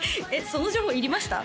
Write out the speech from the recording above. その情報いりました？